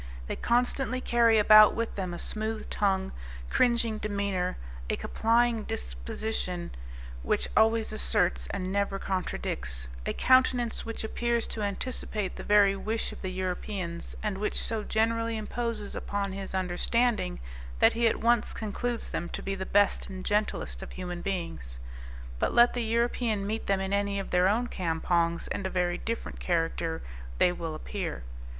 They constantly carry about with them a smooth tongue, cringing demeanor, a complying disposition, which always asserts, and never contradicts; a countenance which appears to anticipate the very wish of the Europeans, and which so generally imposes upon his understanding, that he at once concludes them to be the best and gentlest of human beings; but let the European meet them in any of their own campongs, and a very different character they will appear.